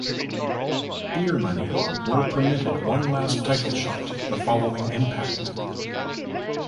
Beer Money were permitted one last title shot the following Impact!